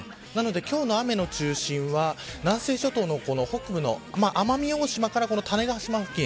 今日の雨の中心は南西諸島の北部の奄美大島から種子島付近